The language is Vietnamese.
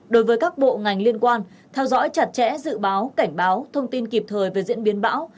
đối với các bộ ngành liên quan theo dõi chặt chẽ dự báo cảnh báo thông tin kịp thời về diễn biến bão